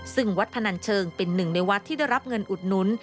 ซึ่งวัดพนันเชิงเป็นหนึ่งในวัดที่ได้รับเงินอุดหนุน